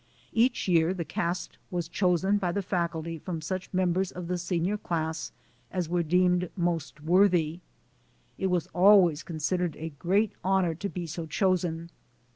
Each year the cast was chosen by the faculty from such mem bers of the senior class as were deemed most worthy. It was always considered a great honor to be so chosen.